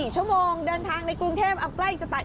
๔ชั่วโมงเดินทางในกรุงเทพเอาใกล้จะตาย